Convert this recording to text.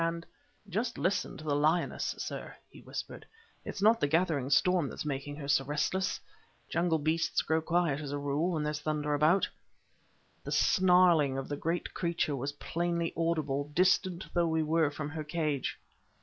And "Just listen to the lioness, sir!" he whispered. "It's not the gathering storm that's making her so restless. Jungle beasts grow quiet, as a rule, when there's thunder about." The snarling of the great creature was plainly audible, distant though we were from her cage.